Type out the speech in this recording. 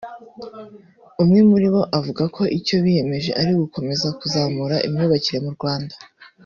umwe muri bo avuga ko icyo biyemeje ari gukomeza kuzamura imyubakire mu Rwanda